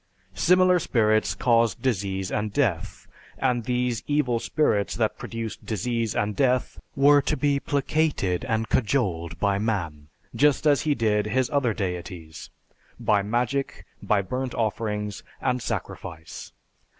Similar spirits caused disease and death, and these evil spirits that produced disease and death were to be placated and cajoled by man, just as he did his other deities, by magic, by burnt offerings, and sacrifice.